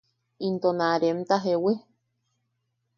Into na remta ¿jewi?